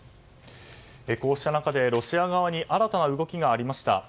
こうした中でロシア側に新たな動きがありました。